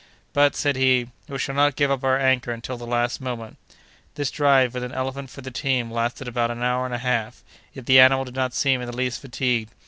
"But," said he, "we shall not give up our anchor until the last moment." This drive, with an elephant for the team, lasted about an hour and a half; yet the animal did not seem in the least fatigued.